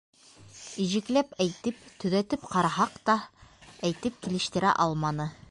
Ижекләп әйтеп төҙәтеп ҡараһаҡ та, әйтеп килештерә алманы.